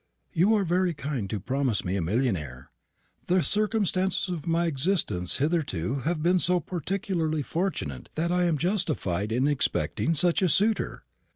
"You are very kind to promise me a millionaire. The circumstances of my existence hitherto have been so peculiarly fortunate that I am justified in expecting such a suitor.